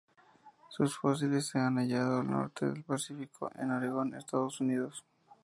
Sus fósiles se han hallado al Norte del Pacífico, en Oregón, Estados Unidos.